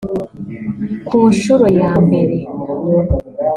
ku nshuro ya mbere